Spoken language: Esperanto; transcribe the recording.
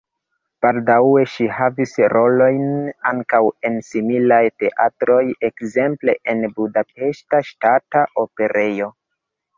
Baldaŭe ŝi havis rolojn ankaŭ en similaj teatroj, ekzemple en Budapeŝta Ŝtata Operejo.